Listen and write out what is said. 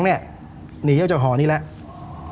หนีออกจากหอนี้แล้ว